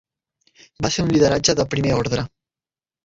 Va ser un lideratge de primer ordre.